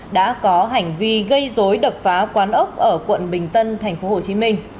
đã có hành vi gây dối đập phá quán ốc ở quận bình tân tp hcm